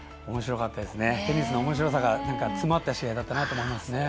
テニスのおもしろさが詰まった試合だったと思います。